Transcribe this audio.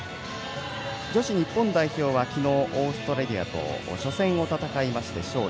女子日本代表は昨日オーストラリアと初戦を戦いまして勝利。